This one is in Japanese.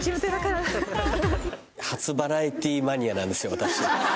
私